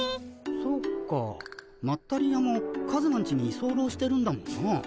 そっかまったり屋もカズマんちにいそうろうしてるんだもんな。